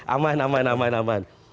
aman aman aman aman